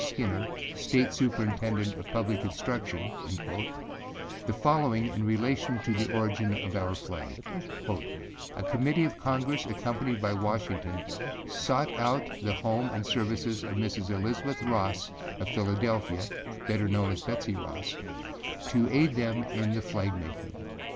Skinner, State Superintendent of Public Instructionâ the following in relation to the origin of our flag, âA Committee of Congress accompanied by Washington sought out the home and services of Mrs. Elizabeth Ross of Philadelphiaâbetter known as Betsey Rossâto aid them in the flag making.